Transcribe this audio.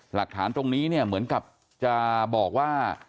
หลักฐานตรงนี้เนี่ยเหมือนกับจะบอกว่า